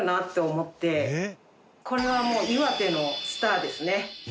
これはもう岩手のスターですね。